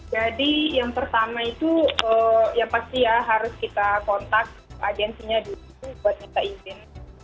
jadi yang pertama itu yang pasti ya harus kita kontak agensinya dulu buat kita izin